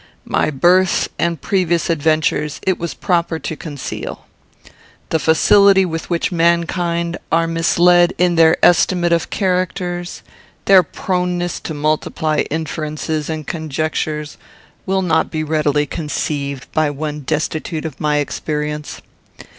My birth and previous adventures it was proper to conceal. The facility with which mankind are misled in their estimate of characters, their proneness to multiply inferences and conjectures, will not be readily conceived by one destitute of my experience.